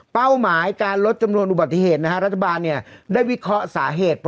หมายการลดจำนวนอุบัติเหตุนะฮะรัฐบาลได้วิเคราะห์สาเหตุ